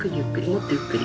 もっとゆっくり。